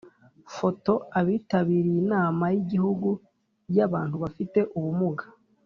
Photo abitabiriye inama y igihugu y abantu bafite ubumuga